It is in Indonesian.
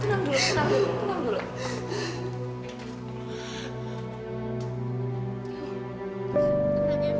tenang dulu tenang dulu tenang dulu